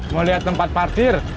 mau liat tempat parkir